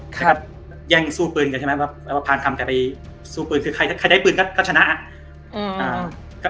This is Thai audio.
แกก็แย่งสู้ปืนกันใช่ไหมพานคำแกไปสู้ปืนคือใครได้ปืนก็ชนะ